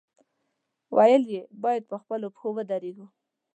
ویل یې، باید په خپلو پښو ودرېږو.